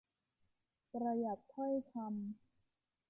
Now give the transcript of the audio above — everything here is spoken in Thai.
ประหยัดถ้อยคำ